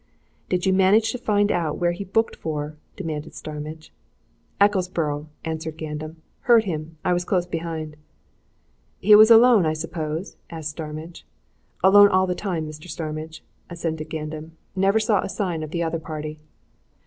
"Did you manage to find out where he booked for!" demanded Starmidge. "Ecclesborough," answered Gandam. "Heard him! I was close behind." "He was alone, I suppose?" asked Starmidge. "Alone all the time, Mr. Starmidge," assented Gandam. "Never saw a sign of the other party."